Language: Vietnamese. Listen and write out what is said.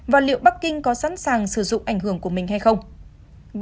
và liệu bắc kinh có sẵn sàng sử dụng ảnh hưởng của mình hay không